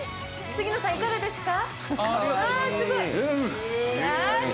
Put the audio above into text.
杉野さん、いかがですか？